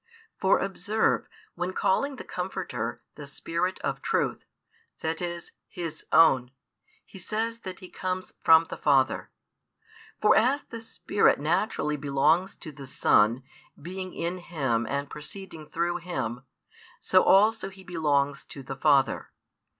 For observe, when calling the Comforter "the Spirit of truth," that is, His own, He says that He comes from the Father. For as the Spirit naturally belongs to the Son, being in Him and proceeding through Him, so also He belongs to the Father.